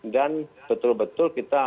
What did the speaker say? dan betul betul kita